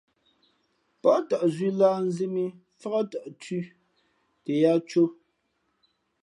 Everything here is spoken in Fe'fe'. Pά tαʼ zʉ̄ lǎh nzī mǐ mfák tαʼ thʉ̄ tα yāā cō.